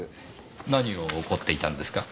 何を怒っていたんですか？